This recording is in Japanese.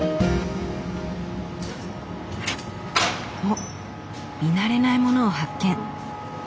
おっ見慣れないものを発見！